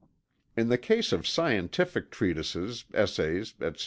In the case of scientific treatises, essays, etc.